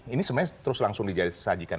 ini sebenarnya terus langsung disajikan